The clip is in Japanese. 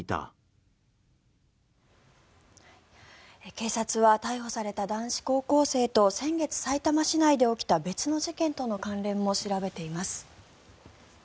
警察は逮捕された男子高校生と先月、さいたま市内で起きた別の事件との関連も調べています。